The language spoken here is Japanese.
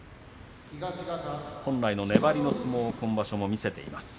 本来の粘りの相撲を今場所も見せています。